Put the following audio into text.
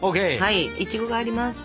いちごがあります！